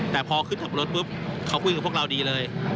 แต่พอขึ้นขับรถปุ๊บเขาคุยกับพวกเราดีเลย